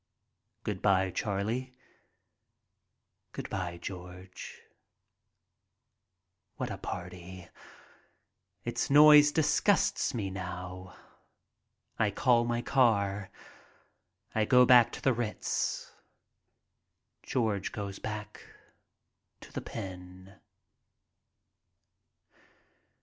"Good by, Charlie." "Good by, George." What a party. Its noise disgusts me now. I call my car. I go back to the Ritz. George goes back to the "pen."